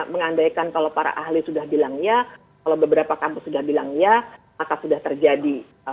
mengandaikan kalau para ahli sudah bilang ya kalau beberapa kampus sudah bilang iya maka sudah terjadi